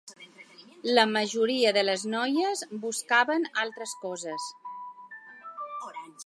La majoria de les noies buscaven altres coses.